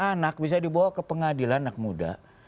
anak bisa dibawa ke pengadilan anak muda